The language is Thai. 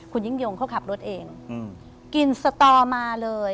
คุณยิ่งยงเขาขับรถเองกินสตอมาเลย